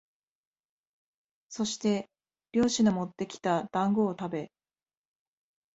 そして猟師のもってきた団子をたべ、